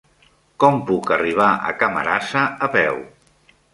Com puc arribar a Camarasa a peu?